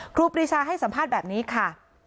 ครูปรีชาให้สัมภาษณ์แบบนี้ค่ะ